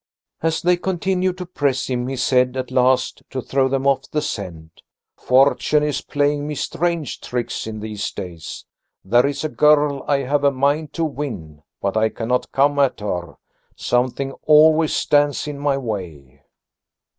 As they continued to press him, he said at last, to throw them off the scent: "Fortune is playing me strange tricks in these days. There is a girl I have a mind to win, but I cannot come at her. Something always stands in my way."